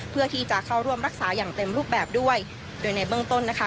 เพื่อที่จะเข้าร่วมรักษาอย่างเต็มรูปแบบด้วยโดยในเบื้องต้นนะคะ